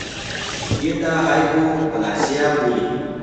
دې ته هایپوپلاسیا بولي